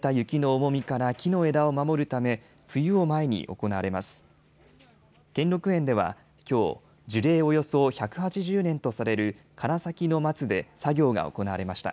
兼六園では、きょう樹齢およそ１８０年とされる唐崎松で作業が行われました。